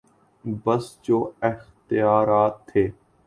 بس جو اختیارات تھے۔